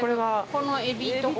このエビとか。